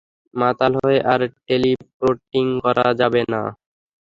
মাতাল হয়ে আর টেলিপোর্টিং করা যাবে না।